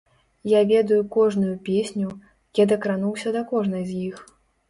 Я ведаю кожную песню, я дакрануўся да кожнай з іх.